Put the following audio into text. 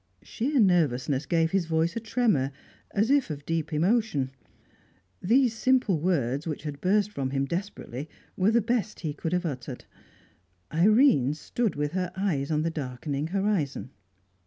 Sheer nervousness gave his voice a tremor as if of deep emotion. These simple words, which had burst from him desperately, were the best he could have uttered Irene stood with her eyes on the darkening horizon.